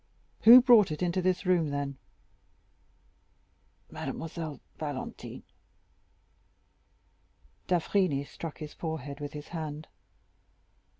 "Who brought it into this room, then?" "Mademoiselle Valentine." D'Avrigny struck his forehead with his hand.